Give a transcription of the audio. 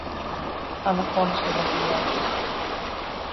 αναφώνησε ο Βασιλιάς.